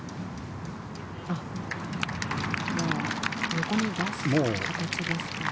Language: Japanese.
横に出す形ですかね。